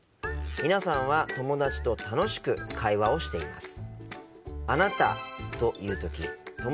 皆さんは友達と楽しく会話をしています。